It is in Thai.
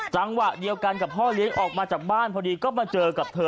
จังหวะเดียวกันกับพ่อเลี้ยงออกมาจากบ้านพอดีก็มาเจอกับเธอ